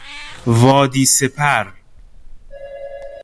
وادی سپر